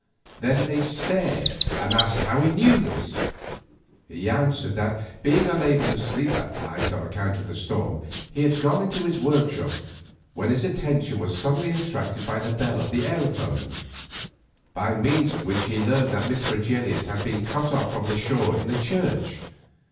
Then they stared and asked how he knew this. He answered that, being unable to sleep that night on account of the storm, he had gone into his workshop when his attention was suddenly attracted by the bell of the aerophone, by means of which he learned that Miss Fregelius had been cut off from the shore in the church.